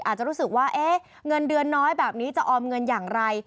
อาจจะรู้สึกว่าเงินเดือนน้อยแบบนี้จะออมเงินอย่างไร